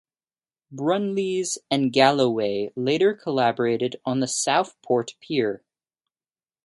Brunlees and Galloway later collaborated on the Southport Pier.